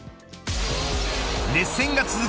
熱戦が続く